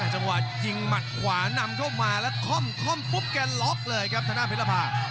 จังหวะยิงหมัดขวานำเข้ามาแล้วค่อมปุ๊บแกล็อกเลยครับทางด้านเพชรภา